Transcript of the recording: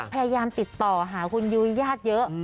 พยายามติดต่อหาคุณยุ้ยญาติเยอะ